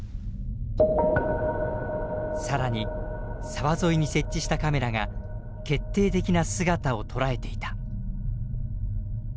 更に沢沿いに設置したカメラが決定的な姿を捉えていた。